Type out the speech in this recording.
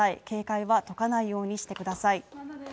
警戒は解かないようにしてください。